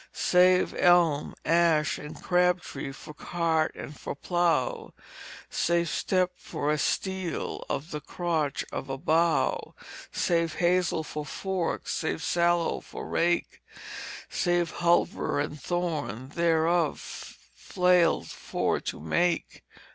"Save elm, ash, and crab tree for cart and for plow, Save step for a stile of the crotch of a bough; Save hazel for forks, save sallow for rake: Save hulver and thorn, thereof flail for to make."